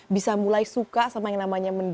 bisa mulai suka sama yang namanya muda indonesia